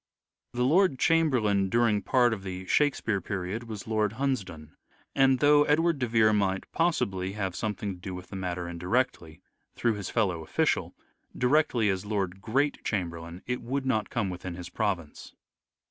The Lord Chamberlain during part of the " Shakespeare " period was Lord Hunsdon ; and though Edward de Vere might possibly have something to do with the matter indirectly, through his fellow official, directly as Lord Great Chamberlain, it would not come within his province.